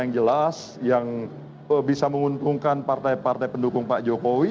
yang bisa menguntungkan partai partai pendukung pak jokowi